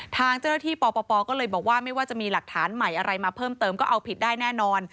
ทางเจ้าหน้าที่ปปก็เลยบอกว่าไม่ว่าจะมีหลักฐานใหม่อะไรมาเพิ่มเติมก็เอาผิดได้แน่นอน